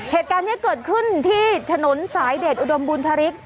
เหตุการณ์นี้เกิดขึ้นที่ถนนสายเดชอุดมบุญธริก